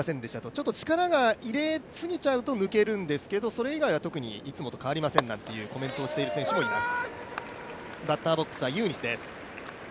ちょっと力を入れ過ぎちゃうと抜けるんですけどそれ以外は特にいつもと変わりませんというコメントをしている選手もいます。